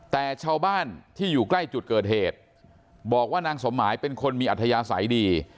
แต่ชาวบ้านที่อยู่ใกล้จุดเกิดเหตุบอกว่านางสมหมายเป็นคนมีอัธยาศัยดี